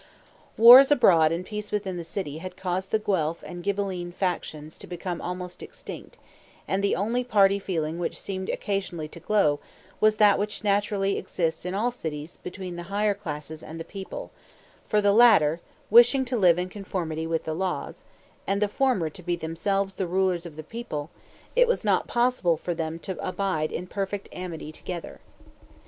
Wars abroad and peace within the city had caused the Guelph and Ghibelline factions to become almost extinct; and the only party feeling which seemed occasionally to glow, was that which naturally exists in all cities between the higher classes and the people; for the latter, wishing to live in conformity with the laws, and the former to be themselves the rulers of the people, it was not possible for them to abide in perfect amity together.